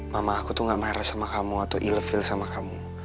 mama aku tuh gak marah sama kamu atau elefin sama kamu